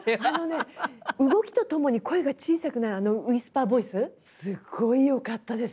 動きとともに声が小さくなるあのウイスパーボイスすごいよかったです。